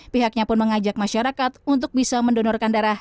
pihaknya pun mengajak masyarakat untuk bisa mendonorkan darah